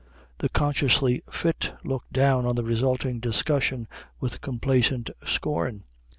The consciously fit look down on the resulting discussions with complacent scorn.